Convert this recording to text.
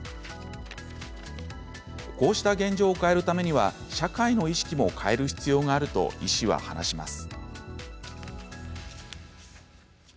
こうした現状を変えるためには社会の意識も変える必要があると医師は話します。